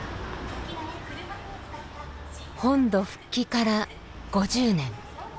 本土復帰から５０年。